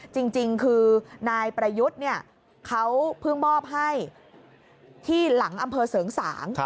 จริงคือนายประยุทธ์เขาเพิ่งมอบให้ที่หลังอำเภอเสริงสาง